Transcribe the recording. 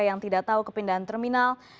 yang tidak tahu kepindahan terminal